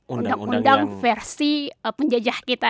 undang undang versi penjajah kita